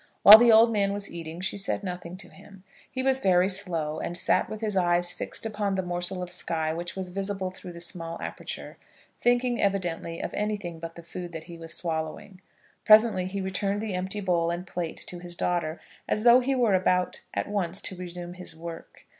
While the old man was eating she said nothing to him. He was very slow, and sat with his eyes fixed upon the morsel of sky which was visible through the small aperture, thinking evidently of anything but the food that he was swallowing. Presently he returned the empty bowl and plate to his daughter, as though he were about at once to resume his work.